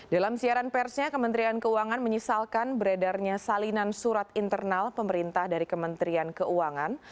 dalam siaran persnya kementerian keuangan menyesalkan beredarnya salinan surat internal pemerintah dari kementerian keuangan